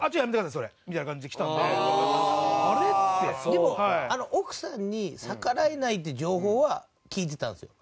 でも奥さんに逆らえないっていう情報は聞いてたんですよ。